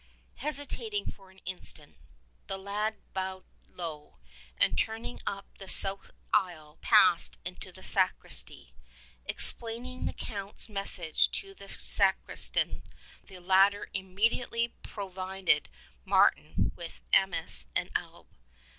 70 Hesitating' for an instant, the lad bowed low, and turning up the south aisle passed into the sacristy. Explaining the Count's message to the sacristan, the latter immediately pro vided Martin with amice and alb.